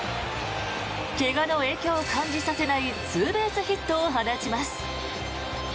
怪我の影響を感じさせないツーベースヒットを放ちます。